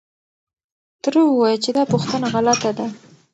تره وويل چې دا پوښتنه غلطه ده.